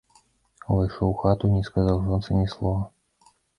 Увайшоў у хату і не сказаў жонцы ні слова.